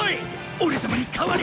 オレ様に代われ。